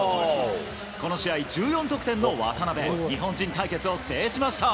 この試合、１４得点の渡邊、日本人対決を制しました。